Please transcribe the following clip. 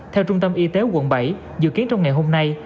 theo trung tâm y tế quận bảy dự kiến trong ngày hôm nay